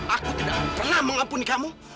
aku tidak pernah mengampuni kamu